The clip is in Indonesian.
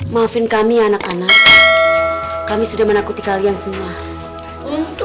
maafin kami anak anak kami sudah menakuti kalian semua untuk